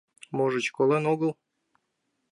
Можыч, колен огыл?